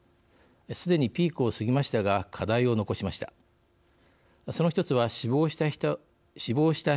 すでに、ピークを過ぎましたが課題を残しました。